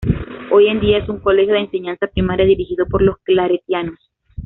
Hoy en día es un colegio de enseñanza primaria dirigido por los claretianos.